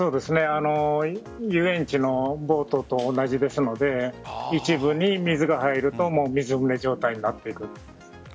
遊園地のボートと同じですので一部に水が入ると水漏れ状態になっていく。